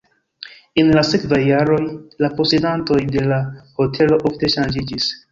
En la sekvaj jaroj la posedantoj de la hotelo ofte ŝanĝiĝis.